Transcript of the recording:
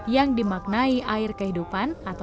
yang dimaknai air kehidupan atau